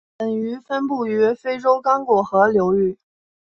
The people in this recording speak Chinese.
本鱼分布于非洲刚果河流域。